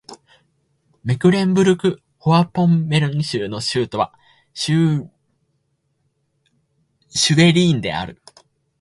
メクレンブルク＝フォアポンメルン州の州都はシュヴェリーンである